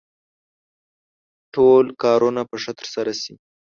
ټول کارونه به ښه ترسره شي.